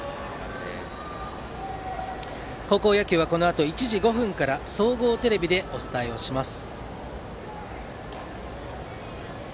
高校野球はこのあと１時５分から総合テレビでお伝えします。